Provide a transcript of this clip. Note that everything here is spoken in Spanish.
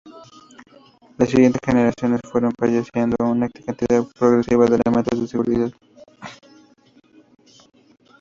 Las siguientes generaciones fueron poseyendo una cantidad progresiva de elementos de seguridad.